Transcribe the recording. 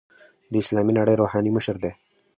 د اسلامي نړۍ روحاني مشر دی.